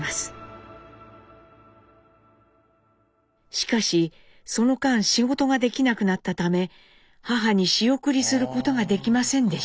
しかしその間仕事ができなくなったため母に仕送りすることができませんでした。